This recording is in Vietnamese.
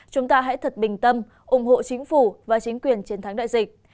chúng ta hãy thật bình tâm ủng hộ chính phủ và chính quyền chiến thắng đại dịch